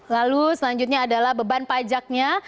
lalu selanjutnya adalah beban pajaknya